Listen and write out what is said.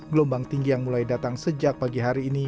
gelombang tinggi yang mulai datang sejak pagi hari ini